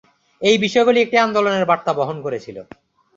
এই বিষয়গুলি একটি আন্দোলনের বার্তা বহন করেছিল।